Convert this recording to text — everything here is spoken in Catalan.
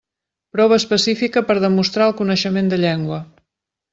Prova específica per demostrar el coneixement de llengua.